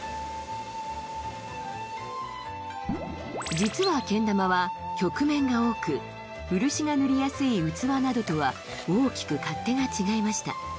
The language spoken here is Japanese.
実はけん玉は曲面が多く漆が塗りやすい器などとは大きく勝手が違いました